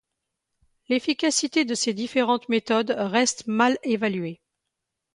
L'efficacité de ces différentes méthodes reste mal évaluée.